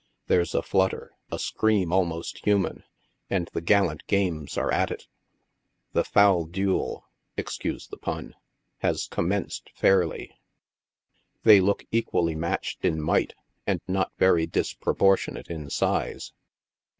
There's a flutter, a scream almost human, and the gallant games arc at it ; the fowl duel [excuse the pun,] has com menced fairly. They look equally matched in might, and not very disproporticnate in size.